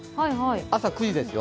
朝９時ですよ。